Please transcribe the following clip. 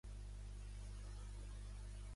Temo l'anarquia.